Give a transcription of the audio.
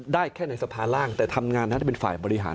ได้แค่ในสภาร่างแต่ทำงานได้เป็นฝ่ายบริหาร